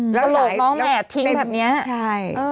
หลบหลบแหละทิ้งแบบนี้ใช่